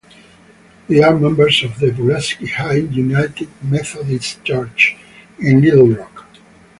They are members of Pulaski Heights United Methodist Church in Little Rock.